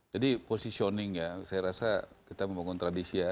jadi positioning ya saya rasa kita membangun tradisi ya